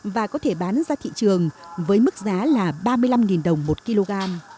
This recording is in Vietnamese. và có thể bán ra thị trường với mức giá là ba mươi năm đồng một kg